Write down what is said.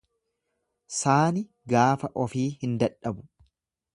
Saani gaafa ofii hin dadhabu.